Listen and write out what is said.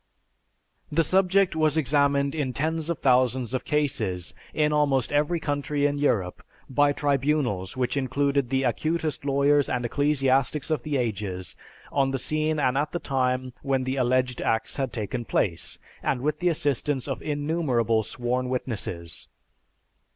_) The subject was examined in tens of thousands of cases, in almost every country in Europe, by tribunals which included the acutest lawyers and ecclesiastics of the ages, on the scene and at the time when the alleged acts had taken place, and with the assistance of innumerable sworn witnesses.